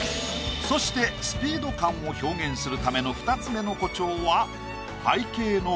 そしてスピード感を表現するための２つ目の誇張は。